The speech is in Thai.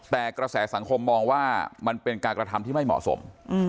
แต่กระแสสังคมมองว่ามันเป็นการกระทำที่ไม่เหมาะสม